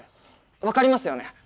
分かりますよね？